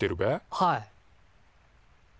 はい。